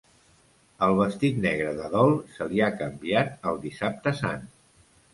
El vestit negre de dol se li ha canviat el Dissabte Sant.